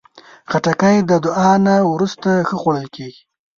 خټکی د دعا نه وروسته ښه خوړل کېږي.